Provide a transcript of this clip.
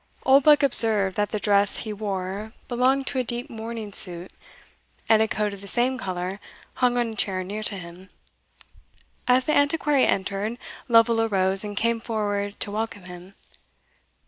Oldbuck observed, that the dress he wore belonged to a deep mourning suit, and a coat of the same colour hung on a chair near to him. As the Antiquary entered, Lovel arose and came forward to welcome him.